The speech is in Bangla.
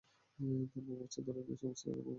তারপর মাছটি তাকে ধরে নিয়ে সমস্ত সাগরময় ঘুরে বেড়ায়।